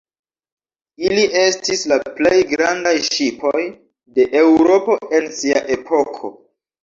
Ili estis la plej grandaj ŝipoj de Eŭropo en sia epoko.